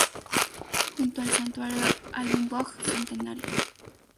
Junto al santuario hay un boj centenario.